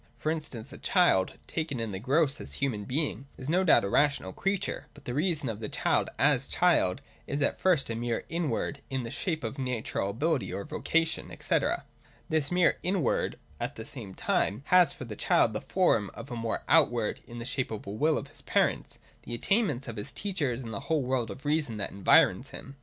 For instance, a child, taken in the gross as human being, is no doubt a rational creature ; but the reason of the child as child is at first a mere inward, in the shape of his natural ability or vocation, &c. This mere inward, at the same time, has for the child the form of a mere outward, in the shape of the will of his parents, the attainments of his teachers, and the whole world of reason that environs him.